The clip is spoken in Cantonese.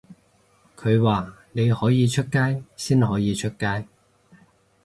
佢話你可以出街先可以出街